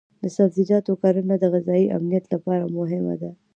د سبزیجاتو کرنه د غذایي امنیت لپاره مهمه ده.